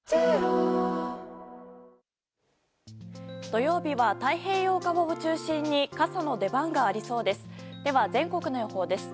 土曜日は、太平洋側を中心に傘の出番がありそうです。